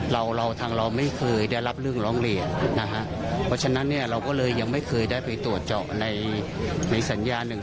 เราเราทางเราไม่เคยได้รับเรื่องร้องเรียนนะฮะเพราะฉะนั้นเนี่ยเราก็เลยยังไม่เคยได้ไปตรวจเจาะในในสัญญาหนึ่ง